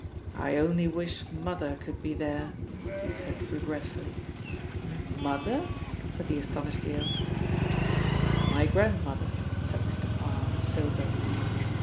"I only wish Mother could be there," he said regretfully. "Mother?" said the astonished Yale. "My grandmother," said Mr. Parr soberly.